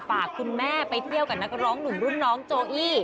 คุณแม่ไปเที่ยวกับนักร้องหนุ่มรุ่นน้องโจอี้